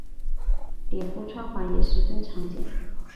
脸部穿环也十分常见。